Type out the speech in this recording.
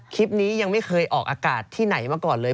ยังไม่เคยออกอากาศที่ไหนมาก่อนเลย